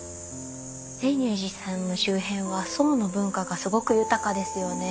泉涌寺さんの周辺は宋の文化がすごく豊かですよね。